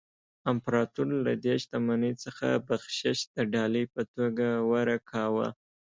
امپراتور له دې شتمنۍ څخه بخشش د ډالۍ په توګه ورکاوه.